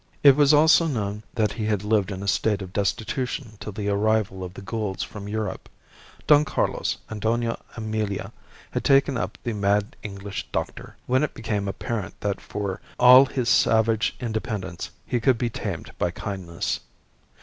It was also known that he had lived in a state of destitution till the arrival of the Goulds from Europe. Don Carlos and Dona Emilia had taken up the mad English doctor, when it became apparent that for all his savage independence he could be tamed by kindness.